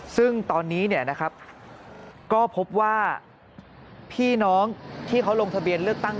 ซึ่งตอนนี้เนี่ยนะครับก็พบว่าพี่น้องที่เขาลงทะเบียนเลือกตั้ง